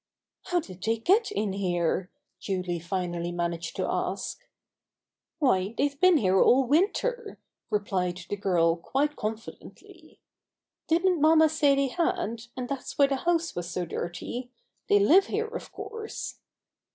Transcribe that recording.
"How did they get in here?" Julie finally managed to ask. "Why, theyVe been here all winter," re plied the girl quite confidently. "Didn't mamma say they had, and that's why the house was so dirty? They live here, of course."